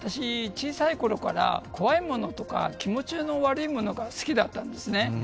小さいころから怖いものとか気持ちの悪いものが好きだったんですね。